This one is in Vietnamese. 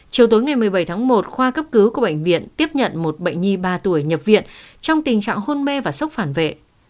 chiều tối ngày một mươi bảy tháng một khoa cấp cứu của bệnh viện tiếp nhận một bệnh nhi ba tuổi nhập viện trong tình trạng hôn mê và sốc phản vệ